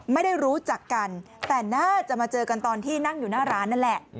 ไม่ได้รู้จักกันแต่น่าจะมาเจอกันตอนที่นั่งอยู่หน้าร้านนั่นแหละ